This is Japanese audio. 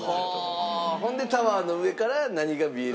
ほんでタワーの上から何が見えるかを。